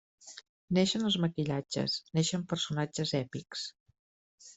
Neixen els maquillatges, neixen personatges èpics.